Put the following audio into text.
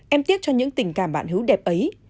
em tiếc cho những tình cảm bạn hữu đẹp ấy